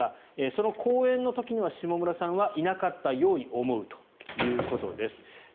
その講演の時には下村さんはいなかったように思うということです。